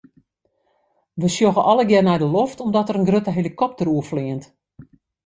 We sjogge allegearre nei de loft omdat der in grutte helikopter oerfleant.